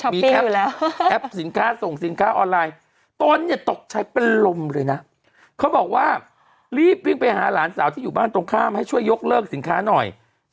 มีแอปอยู่แล้วแอปสินค้าส่งสินค้าออนไลน์ตนเนี่ยตกใจเป็นลมเลยนะเขาบอกว่ารีบวิ่งไปหาหลานสาวที่อยู่บ้านตรงข้ามให้ช่วยยกเลิกสินค้าหน่อย